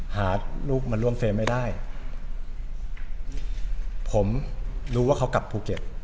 หาลูกมาร่วมเฟรมไม่ได้ผมรู้ว่าเขากลับภูเก็ต